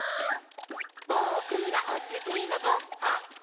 「ぼくらおすしのご・は・ん」